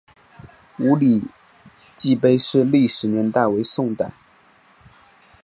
五礼记碑的历史年代为宋代。